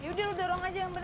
yaudah dorong aja yang bener